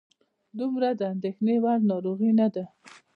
دومره د اندېښنې وړ ناروغي نه ده.